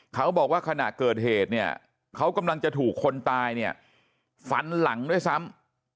เขาบอกว่าขณะเกิดเหตุเนี่ยเขากำลังจะถูกคนตายเนี่ยฝันหลังด้วยซ้ำ